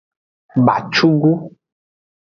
Bacugu.